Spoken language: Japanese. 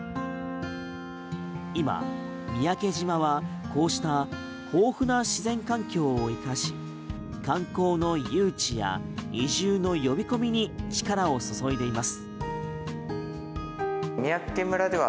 今、三宅島はこうした豊富な自然環境を生かし観光の誘致や移住の呼び込みに力を注いでいます。